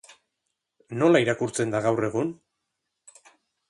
Nola irakurtzen da gaur egun?